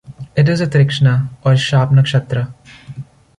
It is a "trikshna" or sharp nakshatra.